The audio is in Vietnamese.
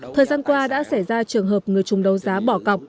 thời gian qua đã xảy ra trường hợp người trùng đấu giá bỏ cọc